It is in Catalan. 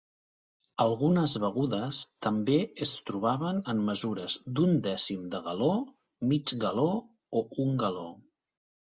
Algunes begudes també es trobaven en mesures d'un dècim de galó, mig galó o un galó.